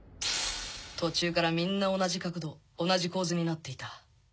途中からみんな同じ角度同じ構図になっていた。